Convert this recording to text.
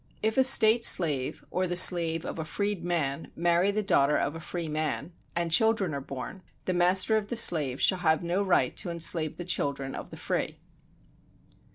If a state slave or the slave of a freed man marry the daughter of a free man, and children are born, the master of the slave shall have no right to enslave the children of the free.